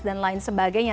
dan lain sebagainya